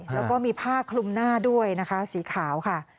แล้วก็มีผ้าคลุมหน้าด้วยนะคะสีขาวค่ะ